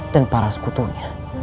dan para sekutunya